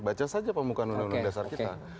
baca saja pembukaan undang undang dasar kita